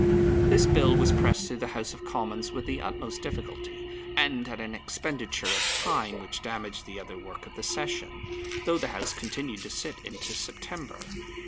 This Bill was pressed through the House of Commons with the utmost difficulty, and at an expenditure of time which damaged the other work of the session, though the House continued to sit into September.